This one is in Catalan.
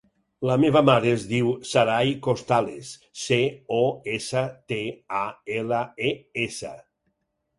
La meva mare es diu Saray Costales: ce, o, essa, te, a, ela, e, essa.